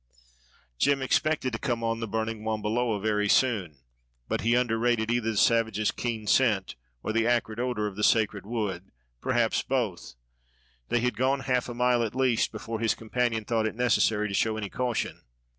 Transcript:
Jem expected to come on the burning wambiloa very soon, but he underrated either the savage's keen scent or the acrid odor of the sacred wood perhaps both. They had gone half a mile at least before his companion thought it necessary to show any caution.